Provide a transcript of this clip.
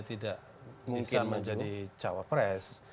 tidak bisa menjadi cawapres